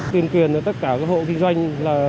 tuyên quyền tất cả các hộ kinh doanh